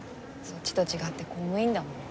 そっちと違って公務員だもん。